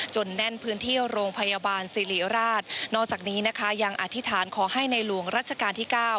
แน่นพื้นที่โรงพยาบาลสิริราชนอกจากนี้นะคะยังอธิษฐานขอให้ในหลวงรัชกาลที่๙